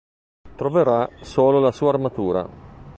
Troverà solo la sua armatura.